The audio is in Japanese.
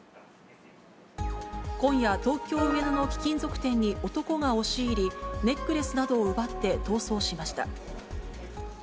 今夜、東京・上野の貴金属店に男が押し入り、ネックレスなどを奪って逃走しました。